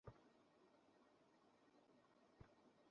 তারপর আমরা মায়ের নিকট এলাম এবং তাকে ইসলামের দিকে আহবান করলাম।